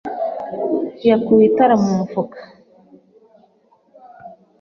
yakuye itara mu mufuka.